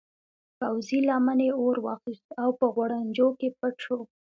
پوځي لمنې اور واخیست او په غوړنجو کې پټ شو.